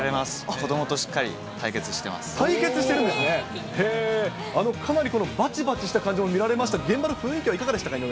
子どもとしっか対決してるんですね、かなりばちばちした感じも見られました、現場の雰囲気はいかがでしたか？